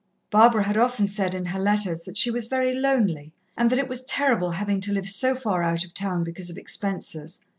Barbara had often said in her letters that she was very lonely, and that it was terrible having to live so far out of town because of expenses.